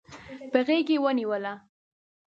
په غیږ کې ونیوله